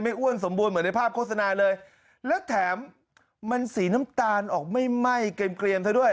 อ้วนสมบูรณ์เหมือนในภาพโฆษณาเลยแล้วแถมมันสีน้ำตาลออกไม่ไหม้เกรียมซะด้วย